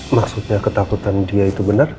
maksudnya ketakutan dia itu benar